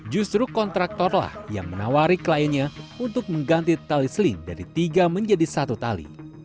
justru kontraktorlah yang menawari kliennya untuk mengganti tali seling dari tiga menjadi satu tali